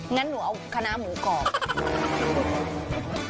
งั้นหนูเอาคณะหมูกรอบ